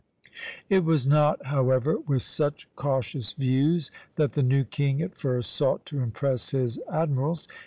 It was not, however, with such cautious views that the new king at first sought to impress his admirals.